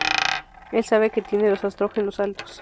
Él sabe que tiene los estrógenos altos.